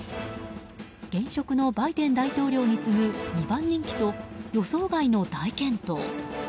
現職のバイデン大統領に次ぐ２番人気と、予想外の大健闘。